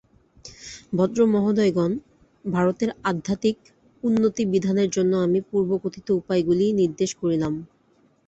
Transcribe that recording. ভদ্রমহোদয়গণ, ভারতের আধ্যাত্মিক উন্নতিবিধানের জন্য আমি পূর্বকথিত উপায়গুলি নির্দেশ করিলাম।